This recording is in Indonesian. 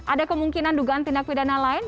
ada kemungkinan dugaan tindak pidana lain